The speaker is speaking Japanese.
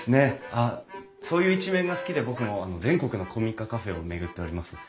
あっそういう一面が好きで僕も全国の古民家カフェを巡っております。